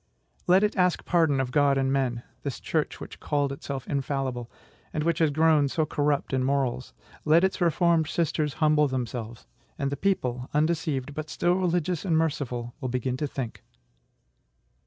Let it ask pardon of God and men, this church which called itself infallible, and which has grown so corrupt in morals; let its reformed sisters humble themselves,... and the people, undeceived, but still religious and merciful, will begin to think.